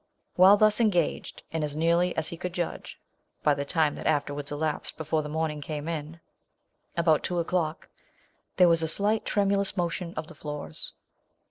While thus engaged, and as nearly as he could judge, (by the time that afterwards elapsed before the morning came in,) about two o'clock, there was a slight tremulous motion of the floors.